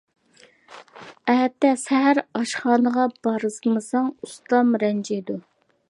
ئەتە سەھەر ئاشخانىغا بارمىساڭ ئۇستام رەنجىيدۇ.